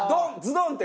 ドン！って。